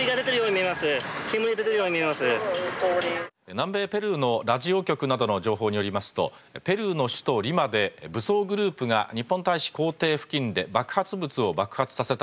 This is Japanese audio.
南米ペルーのラジオ局などの情報によりますとペルーの首都リマで武装グループが日本大使公邸付近で爆発物を爆発させた